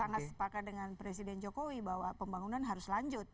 sangat sepakat dengan presiden jokowi bahwa pembangunan harus lanjut